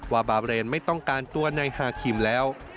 บาเรนไม่ต้องการตัวนายฮาคิมแล้ว